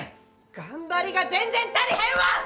頑張りが全然足りへんわ！